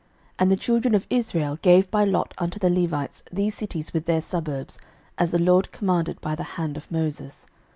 06:021:008 And the children of Israel gave by lot unto the Levites these cities with their suburbs, as the LORD commanded by the hand of Moses.